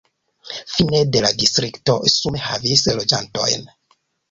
Fine de la distrikto sume havis loĝantojn.